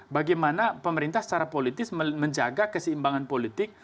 bagaimana pemerintah secara politis menjaga keseimbangan politik